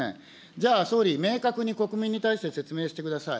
じゃあ、総理、明確に国民に対して説明してください。